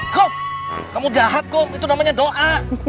kom kamu jahat kom itu namanya doa